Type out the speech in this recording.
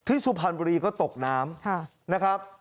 สุพรรณบุรีก็ตกน้ำนะครับ